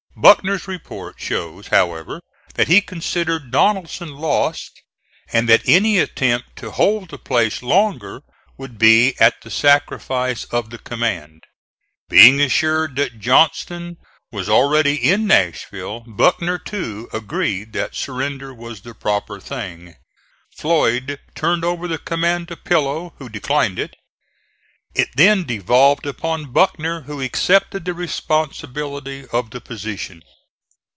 Buckner's report shows, however, that he considered Donelson lost and that any attempt to hold the place longer would be at the sacrifice of the command. Being assured that Johnston was already in Nashville, Buckner too agreed that surrender was the proper thing. Floyd turned over the command to Pillow, who declined it. It then devolved upon Buckner, who accepted the responsibility of the position.